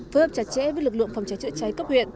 phối hợp chặt chẽ với lực lượng phòng cháy chữa cháy cấp huyện